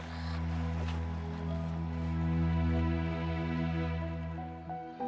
risa pengen tidur